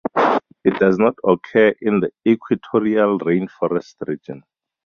It does not occur in the equatorial rainforest region.